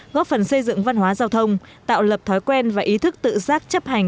góp phần xây dựng văn hóa giao thông tạo lập thói quen và ý thức tự giác chấp hành